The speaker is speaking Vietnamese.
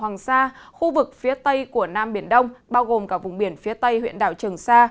hoàng sa khu vực phía tây của nam biển đông bao gồm cả vùng biển phía tây huyện đảo trường sa